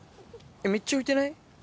めっちゃ浮いてない？